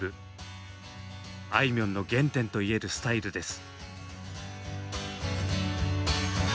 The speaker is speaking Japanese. あいみょんの原点といえるスタイルです。